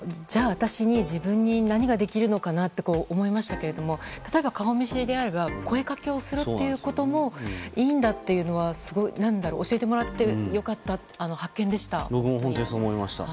私に自分に何ができるのかなって思いましたけれども例えば顔見しれであれば声かけをするだけでもいいんだっていうのは教えてもらって良かったと思う発見でした。